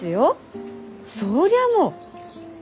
そりゃあもう！